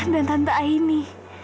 dan tante aini